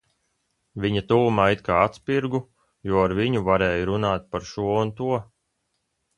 Viņa tuvumā it kā atspirgu, jo ar viņu varēju runāt par šo un to.